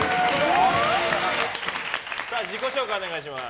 自己紹介をお願いします。